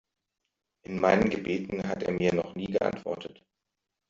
In meinen Gebeten hat er mir noch nie geantwortet.